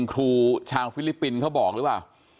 ครูชาวฟิลิปปินส์เขาบอกหรือเปล่า